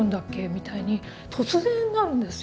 みたいに突然なるんですよ。